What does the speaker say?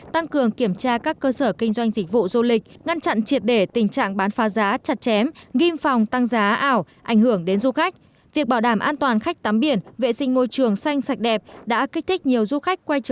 tăng cường kiểm tra các cơ sở kinh doanh dịch vụ du lịch ngăn chặn triệt để tình trạng bán pha giá chặt chém nghiêm phòng tăng giá ảo ảnh hưởng đến du khách